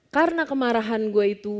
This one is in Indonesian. karena kemarahan gue itu